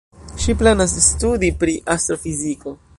Ŝi planas studi pri astrofiziko.